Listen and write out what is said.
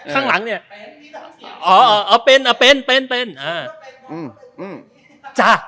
ข้างหลังเนี่ยอ๋อเอาเป็นเอาเป็นเป็นเป็นอ่าอืมอืมจ้ะ